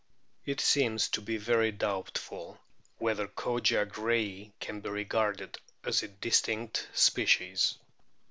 It seems to be very doubtful whether Kogia grayi can be regarded as a distinct species.